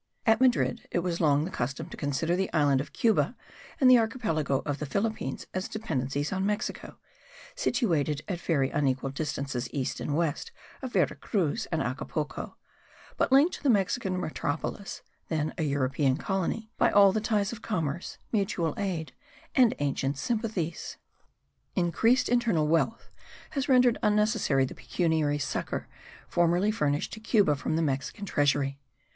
At Madrid it was long the custom to consider the island of Cuba and the archipelago of the Philippines as dependencies on Mexico, situated at very unequal distances east and west of Vera Cruz and Acapulco, but linked to the Mexican metropolis (then a European colony) by all the ties of commerce, mutual aid and ancient sympathies. Increased internal wealth has rendered unnecessary the pecuniary succour formerly furnished to Cuba from the Mexican treasury.